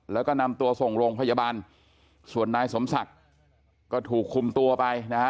แล้วก็นำตัวส่งโรงพยาบาลส่วนนายสมศักดิ์ก็ถูกคุมตัวไปนะฮะ